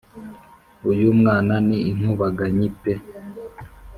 • uyu mwana ni inkubaganyi pe!